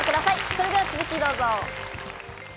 それでは続きをどうぞ。